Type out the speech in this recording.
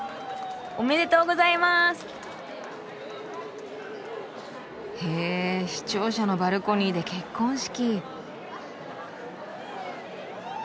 おめでとうございます！へ市庁舎のバルコニーで結婚式。